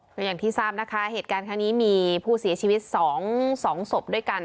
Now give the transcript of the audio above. ก็อย่างที่ทราบนะคะเหตุการณ์ครั้งนี้มีผู้เสียชีวิต๒ศพด้วยกัน